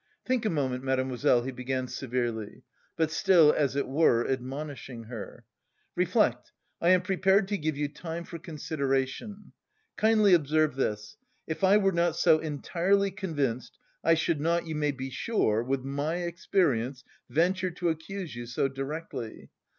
"Think a moment, mademoiselle," he began severely, but still, as it were, admonishing her. "Reflect, I am prepared to give you time for consideration. Kindly observe this: if I were not so entirely convinced I should not, you may be sure, with my experience venture to accuse you so directly.